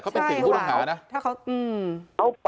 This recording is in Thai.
เขาเป็นสิทธิ์ข้อหานะ